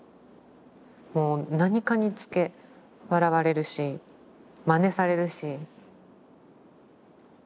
もう何かにつけ笑われるしまねされるし。